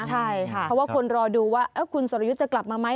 ใช่ค่ะเพราะว่าคนรอดูว่าคุณสรยุทธ์จะกลับมาไหม